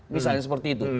misalnya seperti itu